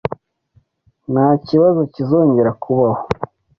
Ntakibazo kizongera kubaho.